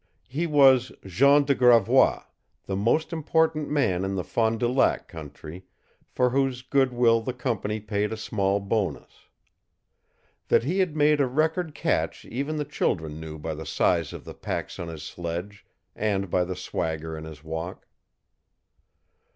He was Jean de Gravois, the most important man in the Fond du Lac country, for whose good will the company paid a small bonus. That he had made a record catch even the children knew by the size of the packs on his sledge and by the swagger in his walk.